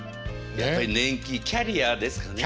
やっぱり年季キャリアですかね。